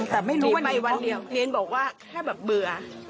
แต่ไม่รู้ไปวันเดียวเฮียนบอกว่าแค่แบบเบื่อ